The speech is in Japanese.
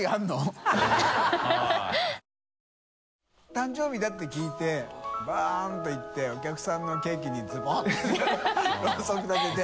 誕生日だって聞いてバンと行ってお客さんのケーキにズボってろうそく立てて。